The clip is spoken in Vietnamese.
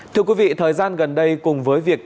thưa quý vị thời gian gần đây cùng với việc